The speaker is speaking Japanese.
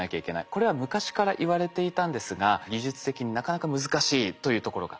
これは昔からいわれていたんですが技術的になかなか難しいというところがあったんです。